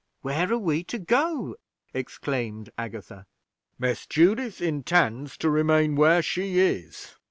Where are we to go?" exclaimed Agatha. "Miss Judith intends to remain where she is."